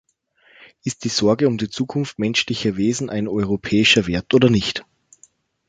Ist die Sorge um die Zukunft menschlicher Wesen ein europäischer Wert oder nicht?